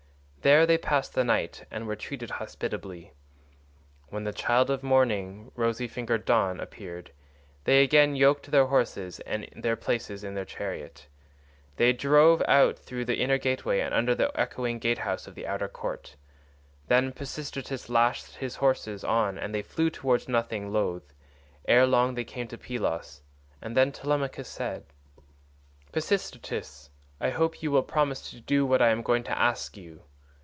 There they passed the night and were treated hospitably. When the child of morning, rosy fingered Dawn, appeared, they again yoked their horses and their places in the chariot. They drove out through the inner gateway and under the echoing gatehouse of the outer court. Then Pisistratus lashed his horses on and they flew forward nothing loath; ere long they came to Pylos, and then Telemachus said: "Pisistratus, I hope you will promise to do what I am going to ask you.